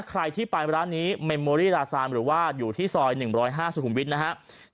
ใครที่ไปร้านนี้เมมโมรี่ราซานหรือว่าอยู่ที่ซอย๑๐๕สุขุมวิทย์นะครับ